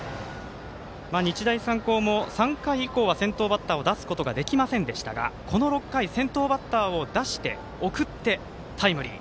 日大三高も３回以降は先頭バッターを出すことができませんでしたがこの６回先頭バッターを出して、送ってタイムリー。